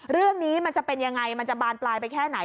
เรื่องนี้มันจะเป็นยังไงมันจะบานปลายไปแค่ไหน